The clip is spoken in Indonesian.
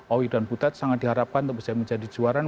owi dan butet sangat diharapkan untuk bisa menjadi juara